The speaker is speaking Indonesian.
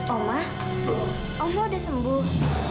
oma oma sudah sembuh